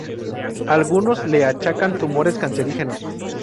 Algunos le achacan tumores cancerígenos.